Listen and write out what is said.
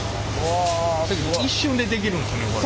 一瞬で出来るんですねこれ。